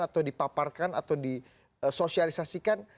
atau dipaparkan atau disosialisasikan